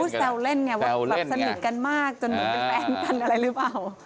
แซวเล่นไงว่าแบบสนิทกันมากจนเหมือนเป็นแฟนกันอะไรหรือเปล่า